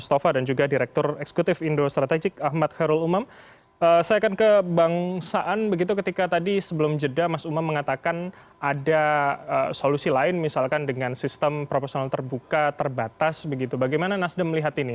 tadi sebelum jeda mas umam mengatakan ada solusi lain misalkan dengan sistem proporsional terbuka terbatas bagaimana nasdaq melihat ini